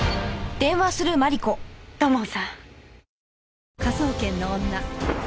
土門さん。